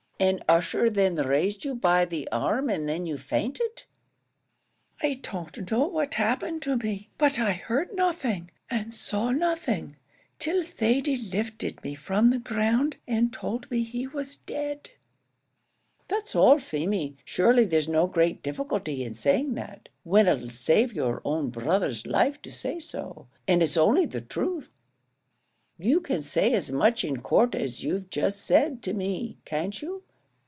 "And Ussher then raised you by the arm, and then you fainted?" "I don't know what happened to me; but I heard nothing, and saw nothing, till Thady lifted me from the ground, and told me he was dead." "That's all, Feemy. Surely there's no great difficulty in saying that when it'll save your own brother's life to say so; and it's only the truth. You can say as much in court as you've just said to me, can't you?